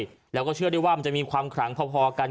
แล้วก็เชื่อได้ว่ามันจะมีความขลังพอกัน